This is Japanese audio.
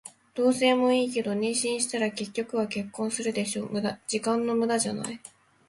同棲もいいけど、妊娠したら結局は結婚するでしょ。時間の無駄じゃない？